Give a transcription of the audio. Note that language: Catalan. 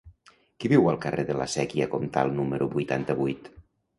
Qui viu al carrer de la Sèquia Comtal número vuitanta-vuit?